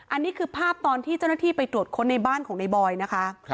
อันนี้คือภาพตอนที่เจ้าหน้าที่ไปตรวจค้นในบ้านของในบอยนะคะ